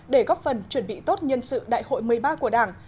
để góp phần chuẩn bị tốt nhân sự đại hội một mươi ba của đảng